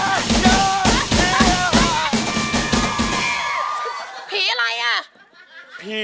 รองได้ให้ลาด